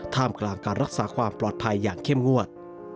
กลางการรักษาความปลอดภัยอย่างเข้มงวด